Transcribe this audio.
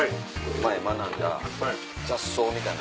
前学んだ雑草みたいな。